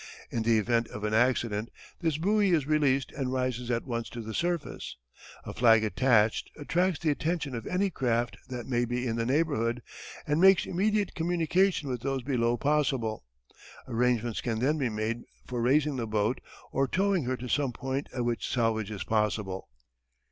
In the event of an accident this buoy is released and rises at once to the surface. A flag attached attracts the attention of any craft that may be in the neighbourhood and makes immediate communication with those below possible. Arrangements can then be made for raising the boat or towing her to some point at which salvage is possible.